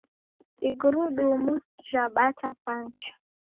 Igurudumu jhapata pancha